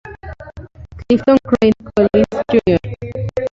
Clifton Craig Collins, Jr.